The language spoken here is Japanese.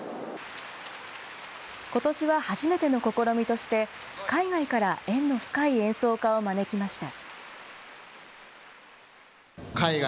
ことしは初めての試みとして、海外から縁の深い演奏家を招きました。